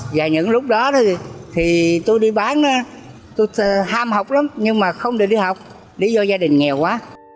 và những lúc đó thì tôi đi bán tôi ham học lắm nhưng mà không được đi học đi do gia đình nghèo quá